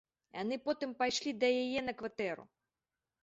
Яны потым пайшлі да яе на кватэру.